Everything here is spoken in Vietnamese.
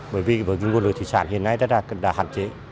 bởi vì nguồn lực thủy sản hiện nay đã hạn chế